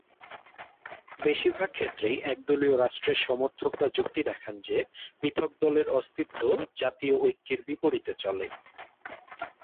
বেশিরভাগ ক্ষেত্রেই একদলীয় রাষ্ট্রের সমর্থকরা যুক্তি দেখান যে পৃথক দলের অস্তিত্ব জাতীয় ঐক্যের বিপরীতে চলে।